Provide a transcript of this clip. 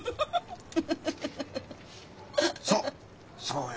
そう！